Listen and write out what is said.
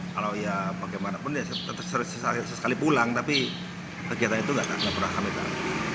kalau ya bagaimanapun ya tetap sesekali pulang tapi kegiatan itu nggak pernah kami tahu